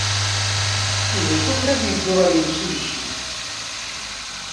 Yuba ikukra ad yeddu ɣer yimsujji.